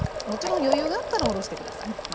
もちろん余裕があったらおろして下さい。